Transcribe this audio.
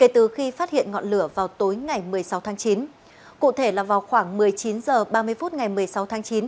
từ khi phát hiện ngọn lửa vào tối ngày một mươi sáu tháng chín cụ thể là vào khoảng một mươi chín h ba mươi phút ngày một mươi sáu tháng chín